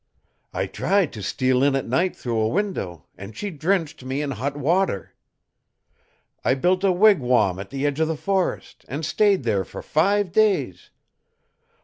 I tried to steal in at night through a window, and she drenched me in hot water. I built a wigwam at the edge of the forest, and stayed there for five days.